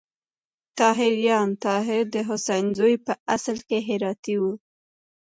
طاهریان: طاهر د حسین زوی په اصل کې هراتی و.